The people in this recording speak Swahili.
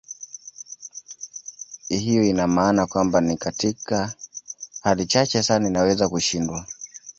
Hiyo ina maana kwamba ni katika hali chache sana inaweza kushindwa.